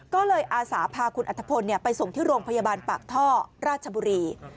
ก็เลยอาสาพาคุณอัฐพลไปส่งที่โรงพยาบาลปากท่อราชบุรี